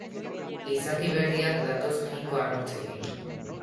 Gizaki berriak datoz jainko arrotzekin.